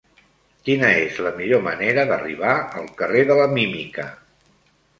Quina és la millor manera d'arribar al carrer de la Mímica?